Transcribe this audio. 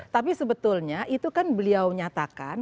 tapi sebetulnya itu kan beliau nyatakan